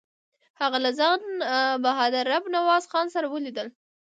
هغه له خان بهادر رب نواز خان سره ولیدل.